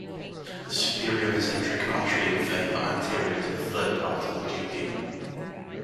The superior mesenteric artery and vein are anterior to the third part of duodenum.